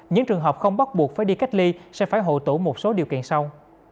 những trường hợp không bắt buộc phải đi cách ly sẽ phải hộ tủ một số điều kiện sau